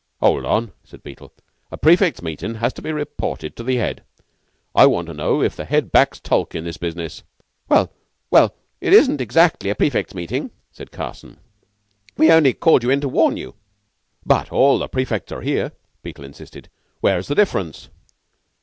"Hold on," said Beetle. "A prefects' meetin' has to be reported to the Head. I want to know if the Head backs Tulke in this business?" "Well well, it isn't exactly a prefects' meeting," said Carson. "We only called you in to warn you." "But all the prefects are here," Beetle insisted. "Where's the difference?"